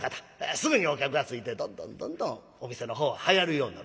すぐにお客がついてどんどんどんどんお店のほうははやるようになる。